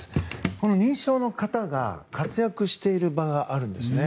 この認知症の方が活躍している場があるんですね。